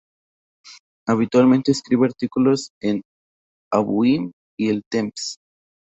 Habitualmente escribe artículos en Avui y El Temps.